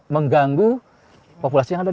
mengganggu populasi yang ada